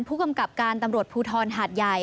ผู้กำกับการตำรวจภูทรหาดใหญ่